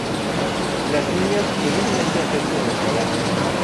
Las niñas felizmente aceptan el trabajo.